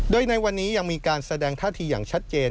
โดยในวันนี้ยังมีการแสดงท่าทีอย่างชัดเจน